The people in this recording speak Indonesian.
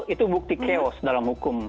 itu bukti chaos dalam hukum